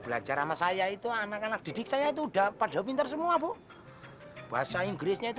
belajar sama saya itu anak anak didik saya itu udah pada pinter semua bu bahasa inggrisnya itu